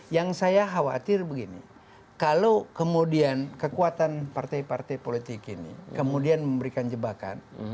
yang saya khawatir begini kalau kemudian kekuatan partai partai politik ini kemudian memberikan jebakan